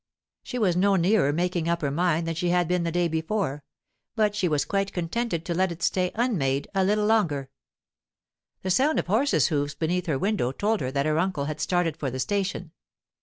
She was no nearer making up her mind than she had been the day before, but she was quite contented to let it stay unmade a little longer. The sound of horses' hoofs beneath her window told her that her uncle had started for the station.